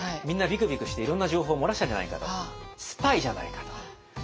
みんなビクビクしていろんな情報漏らしちゃうんじゃないかと「スパイ」じゃないかと。